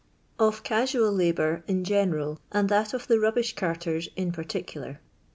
Or Casual Labour lar Gbhrral, akd that of THE HuBBISH CaRTERS TR PARTICULAR.